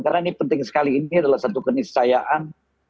karena ini penting sekali ini adalah satu kenisayaan